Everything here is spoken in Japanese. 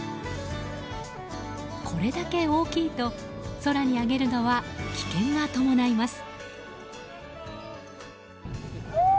これだけ大きいと空に揚げるのは危険が伴います。